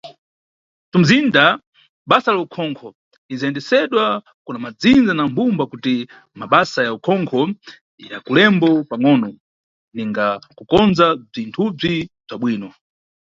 Nʼtumizinda, basa la ukhonkho lindzayendesedwa kuna madzindza na mbumba kuti mabasa ya ukhonkho yakulembo pangʼono ninga kukondza bzimbudzi bza bwino.